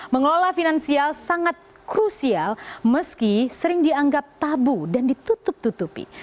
mengelola finansial sangat krusial meski sering dianggap tabu dan ditutup tutupi